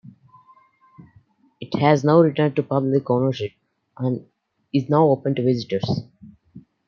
It has now returned to public ownership and is now open to visitors.